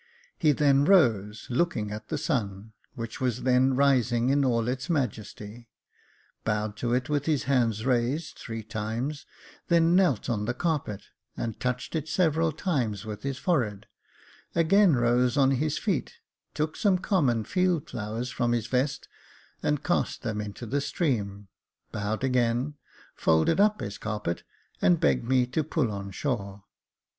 He then rose, looking at the sun, which was then rising in all its majesty, bowed to it with his hands raised, three times, then knelt on the carpet, and touched it several times with his forehead, again rose on his feet, took some common field flowers from his vest, and cast them into the stream, bowed again, folded up his carpet, and begged me to pull on shore.